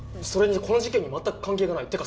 それにこの事件にまったく関係がない。